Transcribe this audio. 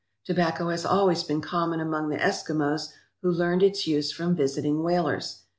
Tobacco has always been common among the Eskimos, who learned its use from visiting whalers.